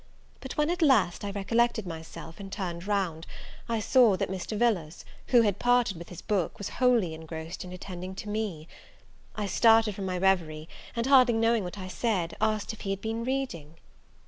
But when, at last, I recollected myself, and turned round, I saw that Mr. Villars, who had parted with his book, was wholly engrossed in attending to me. I started from my reverie, and, hardly knowing what I said, asked if he had been reading?